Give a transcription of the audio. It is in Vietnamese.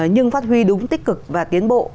nhưng phát huy đúng tích cực và tiến bộ